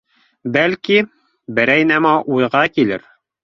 Бәлки, берәй нәмә уйға килер.